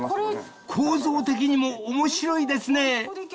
［構造的にも面白いですね］